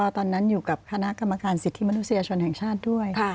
ตอนนั้นอยู่กับคณะกรรมการสิทธิมนุษยชนแห่งชาติด้วย